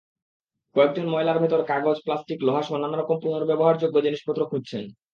কয়েকজন ময়লার ভেতরে কগজ, প্লাস্টিক, লোহাসহ নানা রকম পুনর্ব্যবহারযোগ্য জিনিসপত্র খুঁজছেন।